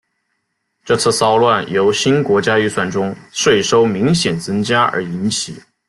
这次骚乱由新国家预算中税收明显增加而引起。